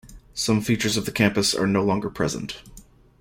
Some features of the campus are no longer present.